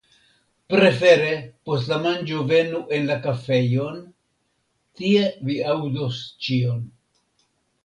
Prefere post la manĝo venu en la kafejon, tie vi aŭdos ĉion.